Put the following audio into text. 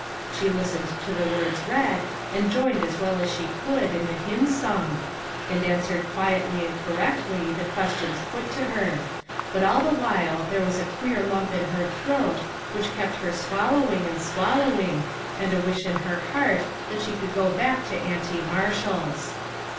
She listened to the words read, and joined as .well as she could, in the hymn sung, and answei ed quietly and correctly, the ques tions put to her; but all the while there was a queer lump in her throat, which kept her swal lowing, and swallowing, and a wish in her heart that she could go back to Auntie Marshall's.